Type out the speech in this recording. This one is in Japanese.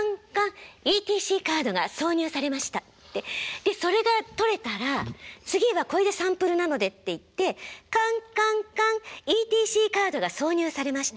でそれがとれたら次は「これでサンプルなので」って言って「かんかんかん」「ＥＴＣカードが挿入されました。